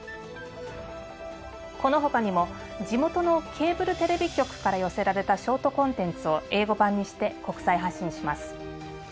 この他にも地元のケーブルテレビ局から寄せられたショートコンテンツを英語版にして国際発信します。